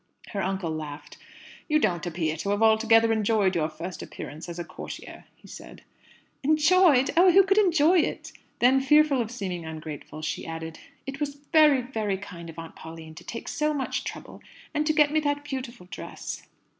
Her uncle laughed. "You don't appear to have altogether enjoyed your first appearance as a courtier," said he. "Enjoyed! Oh, who could enjoy it?" Then, fearful of seeming ungrateful, she added, "It was very, very kind of Aunt Pauline to take so much trouble, and to get me that beautiful dress."